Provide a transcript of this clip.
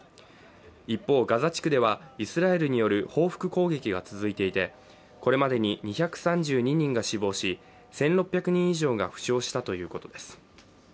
一方、ガザ地区ではイスラエルによる報復攻撃が続いていて、これまでに２３２人が死亡し、１６００人以上が負傷したということです。